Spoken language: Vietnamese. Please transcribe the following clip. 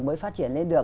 mới phát triển lên được